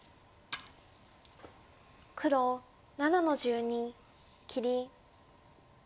黒７の十二切り。